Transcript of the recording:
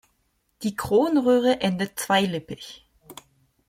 Die Kronröhre endet zweilippig.